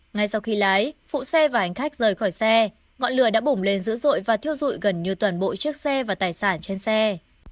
ngay sau khi lái phụ xe và hành khách rời khỏi xe ngọn lửa đã bùng lên dữ dội và thiêu dụi gần như toàn bộ chiếc xe và tài sản trên xe